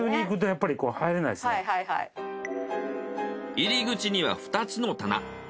入り口には２つの棚。